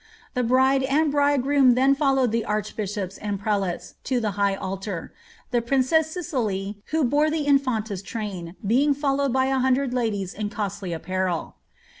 The bride and bridegroom then followed the archbishops and prelates to the high altar, the princess Cicely, who bore the infanta's train, being fol I )wed by a hundred ladies in costly apparel.'